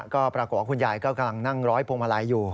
ก็ปรากฏว่าคุณยายก็กำลังนั่งร้อยพวงมาลัยอยู่